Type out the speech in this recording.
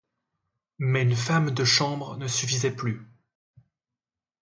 Mais une femme de chambre ne suffisait plus.